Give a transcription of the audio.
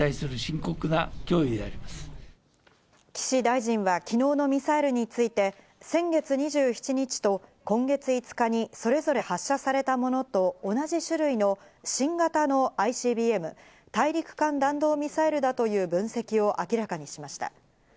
岸大臣は昨日のミサイルについて先月２７日と今月５日にそれぞれ発射されたものと同じ種類の新型のＩＣＢＭ＝大陸間弾道ミサイルだという分析を明らかにしました。